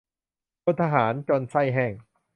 พลทหาร จน ใส้แห้ง